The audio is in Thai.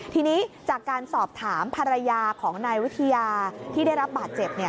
ทีนี้จากการสอบถามภรรยาของนายวิทยาที่ได้รับบาดเจ็บ